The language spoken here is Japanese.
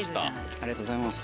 ありがとうございます。